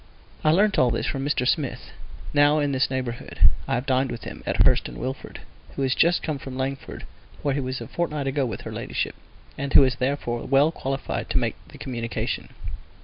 I learnt all this from Mr. Smith, now in this neighbourhood (I have dined with him, at Hurst and Wilford), who is just come from Langford where he was a fortnight with her ladyship, and who is therefore well qualified to make the communication.